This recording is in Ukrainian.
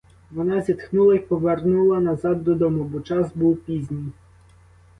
Вона зітхнула й повернула назад додому, бо час був пізній.